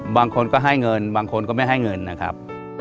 บางคนก็ให้เงินบางคนก็ไม่ให้เงินนะครับ